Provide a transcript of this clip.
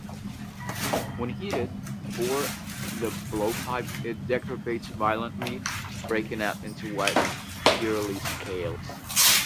When heated before the blowpipe it decrepitates violently, breaking up into white pearly scales.